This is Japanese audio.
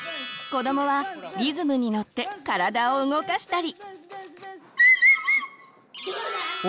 子どもはリズムにのって体を動かしたり。